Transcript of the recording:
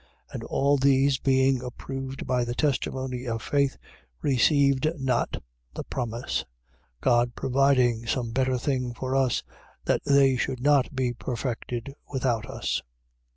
11:39. And all these, being approved by the testimony of faith, received not the promise: 11:40. God providing some better thing for us, that they should not be perfected without us.